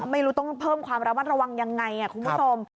ไม่รู้ต้องเพิ่มความระมัดระวังยังไงคุณผู้ชม